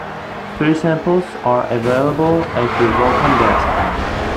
Free samples are available at the Welcome Desk.